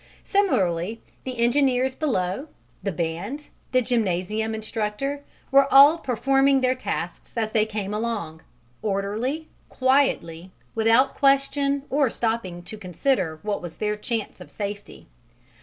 Similarly, the engineers below, the band, the gymnasium instructor, were all performing their tasks as they came along: orderly, quietly, without question or stopping to consider what was their chance of safety.